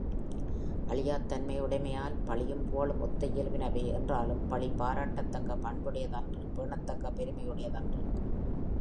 அழியாத் தன்மை யுடைமையால் பழியும் புகழும் ஒத்த இயல்பினவே என்றாலும், பழி பாராட்டத்தக்க பண்புடையதன்று பேணத்தக்க பெருமையுடையதன்று.